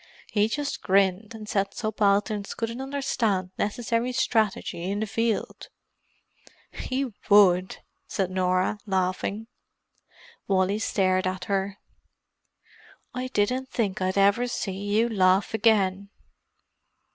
He just grinned and said subalterns couldn't understand necessary strategy in the field!" "He would!" said Norah, laughing. Wally stared at her. "I didn't think I'd ever see you laugh again!"